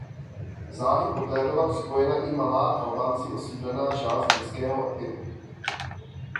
Záhy poté byla připojena i malá Albánci osídlená část řeckého Epiru.